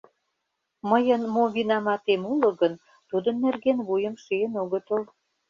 — Мыйын мо винаматем уло гын, тудын нерген вуйым шийын огытыл.